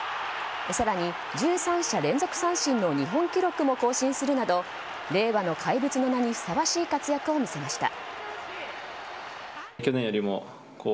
更に、１３者連続三振の日本記録も更新するなど令和の怪物の名にふさわしい活躍を見せました。